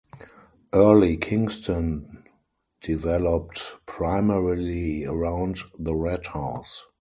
Early Kingston developed primarily around The Red House.